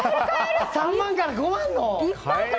３万から５万の？